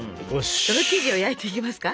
その生地を焼いていきますか。